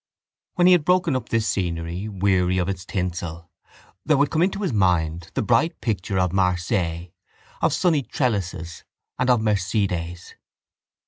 When he had broken up this scenery, weary of its tinsel, there would come to his mind the bright picture of Marseilles, of sunny trellises and of Mercedes.